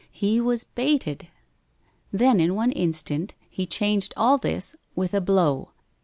He was baited. Then, in one instant, he changed all this with a blow.